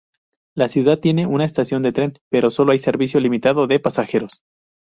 La ciudad tiene una estación de tren, pero sólo hay servicio limitado de pasajeros.